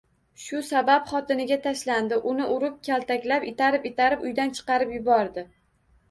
Shu sabab xotiniga tashlandi, uni urib-kaltaklab, itarib-itarib uydan chiqarib yubordi